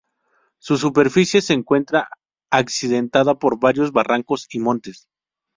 Su superficie se encuentra accidentada por varios barrancos y montes.